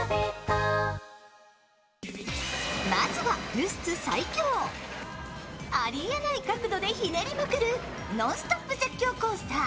ニトリありえない角度でひねりまくるノンストップ絶叫コースター